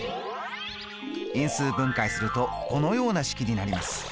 因数分解するとこのような式になります。